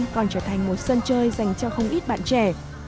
còn trở thành một sân chơi dành cho không ít bạn trẻ